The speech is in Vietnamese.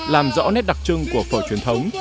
làm rõ nét đặc trưng của phở truyền thống